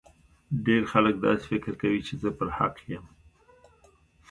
ډیر خلګ داسي فکر کوي چي زه پر حق یم